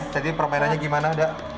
jadi permainannya gimana da